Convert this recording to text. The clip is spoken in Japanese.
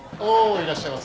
いらっしゃいませ。